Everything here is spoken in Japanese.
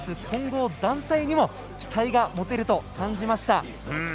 混合団体にも期待が持てると感じました。